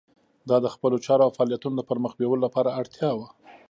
دا د خپلو چارو او فعالیتونو د پرمخ بیولو لپاره اړتیا وه.